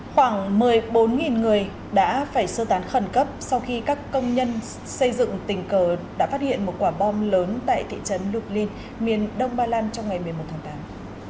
khoảng một mươi bốn người đã phải sơ tán khẩn cấp sau khi các công nhân xây dựng tình cờ đã phát hiện một quả bom lớn tại thị trấn luglin miền đông ba lan trong ngày một mươi một tháng tám